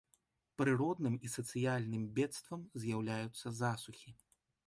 Прыродным і сацыяльным бедствам з'яўляюцца засухі.